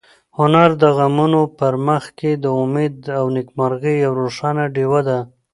هنر د غمونو په منځ کې د امید او نېکمرغۍ یوه روښانه ډېوه ده.